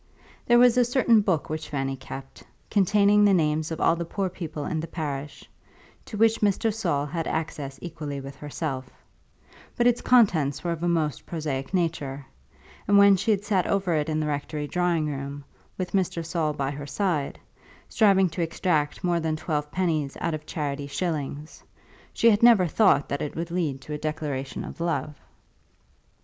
There was a certain book which Fanny kept, containing the names of all the poor people in the parish, to which Mr. Saul had access equally with herself; but its contents were of a most prosaic nature, and when she had sat over it in the rectory drawing room, with Mr. Saul by her side, striving to extract more than twelve pennies out of charity shillings, she had never thought that it would lead to a declaration of love.